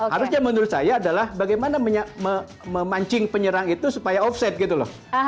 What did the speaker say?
harusnya menurut saya adalah bagaimana memancing penyerang itu supaya offside gitu loh